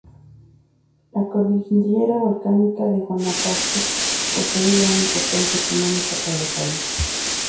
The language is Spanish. La cordillera volcánica de Guanacaste posee gran importancia económica para el país.